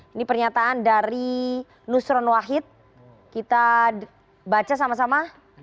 ini pernyataan dari nusron wahid kita baca sama sama